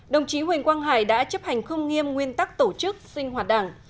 đồng chí huỳnh quang hải đã chấp hành không nghiêm nguyên tắc tổ chức sinh hoạt đảng